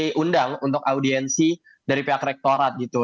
jadi kita sudah melakukan ruang audiensi dari pihak rektorat gitu